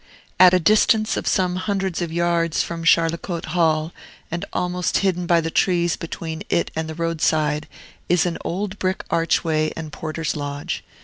At a distance of some hundreds of yards from Charlecote Hall, and almost hidden by the trees between it and the roadside, is an old brick archway and porter's lodge.